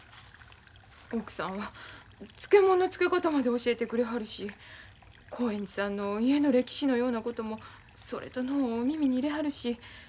奥さんは漬物の漬け方まで教えてくれはるし興園寺さんの家の歴史のようなこともそれとのう耳に入れはるし。